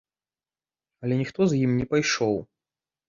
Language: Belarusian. Але ніхто за імі не пайшоў.